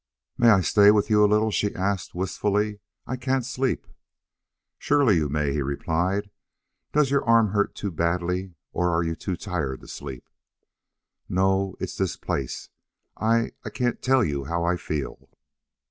"May I stay with you a little?" she asked, wistfully. "I can't sleep." "Surely you may," he replied. "Does your arm hurt too badly, or are you too tired to sleep?" "No it's this place. I I can't tell you how I feel."